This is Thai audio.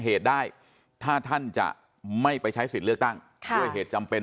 เหตุได้ถ้าท่านจะไม่ไปใช้สิทธิ์เลือกตั้งด้วยเหตุจำเป็น